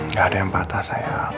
nggak ada yang patah saya